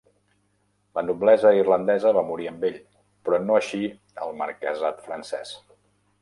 La noblesa irlandesa va morir amb ell, però no així el marquesat francès.